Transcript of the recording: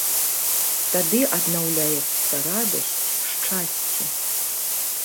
Тады аднаўляецца радасць, шчасце.